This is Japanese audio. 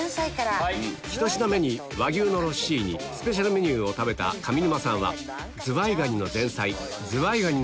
１品目に和牛のロッシーニスペシャルメニューを食べた上沼さん